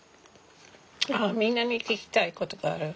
みんなに聞きたいことがある。